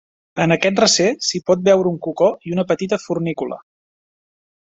En aquest recer s'hi pot veure un cocó i una petita fornícula.